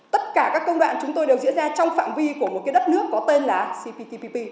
tất cả các công đoạn chúng tôi đều diễn ra trong phạm vi của một đất nước có tên là cptpp